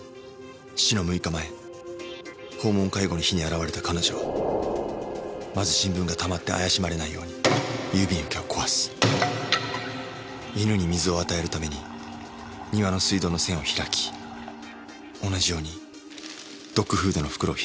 死の６日前訪問介護の日に現れた彼女はまず新聞がたまって怪しまれないように郵便受けを壊す犬に水を与えるために庭の水道の栓を開き同じようにドッグフードの袋を開いておく